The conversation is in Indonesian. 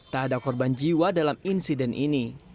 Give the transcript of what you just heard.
tak ada korban jiwa dalam insiden ini